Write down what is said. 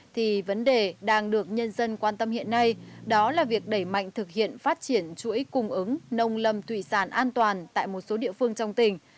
thì vấn đề đang được nhân dân quan tâm hiện nay đó là việc đẩy mạnh thực hiện phát triển chuỗi cung ứng nông lâm thủy sản an toàn tại một số địa phương trong tỉnh